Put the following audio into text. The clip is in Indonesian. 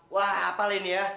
wah apa leni ya